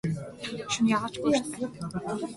Шөнө яагаа ч үгүй эрт байна.